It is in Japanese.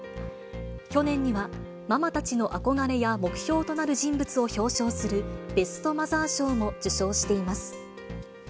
去年には、ママたちの憧れや目標となる人物を表彰する、ベストマザー賞も受賞しています。